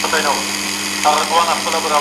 منصور میدان ته بیایي غرغړې دي چي راځي